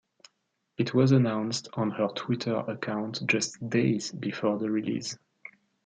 It was announced on her Twitter account just days before the release.